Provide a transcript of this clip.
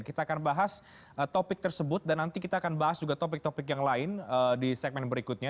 kita akan bahas topik tersebut dan nanti kita akan bahas juga topik topik yang lain di segmen berikutnya